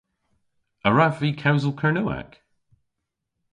A wrav vy kewsel Kernewek?